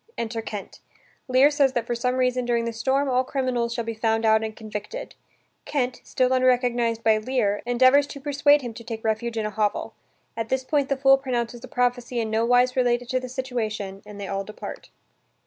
Enter Kent. Lear says that for some reason during this storm all criminals shall be found out and convicted. Kent, still unrecognized by Lear, endeavors to persuade him to take refuge in a hovel. At this point the fool pronounces a prophecy in no wise related to the situation and they all depart.